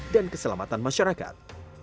dan keselamatan masyarakat